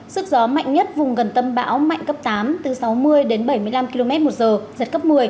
sức gió mạnh nhất vùng gần tâm bão mạnh cấp tám từ sáu mươi đến bảy mươi năm km một giờ giật cấp một mươi